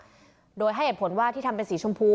มีตราสัญลักษณ์โดยให้อัดผลว่าที่ทำเป็นสีชมพู